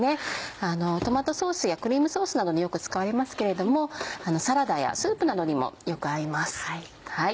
トマトソースやクリームソースなどによく使われますけれどもサラダやスープなどにもよく合います。